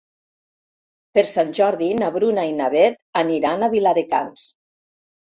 Per Sant Jordi na Bruna i na Beth aniran a Viladecans.